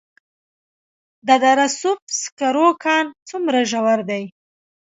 د دره صوف سکرو کان څومره ژور دی؟